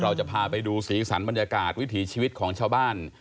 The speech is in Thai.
เราจะพาไปดูสีสันบรรยากาศวิถีชีวิตของชาวบ้าน